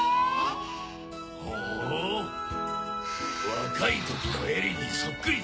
若い時の英理にそっくりだ。